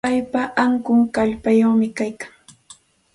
Paypa ankun kallpayuqmi kaykan.